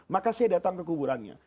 maka saya datang ke kuburannya